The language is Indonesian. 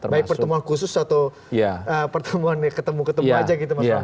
baik pertemuan khusus atau pertemuan ketemu ketemu aja gitu mas fadli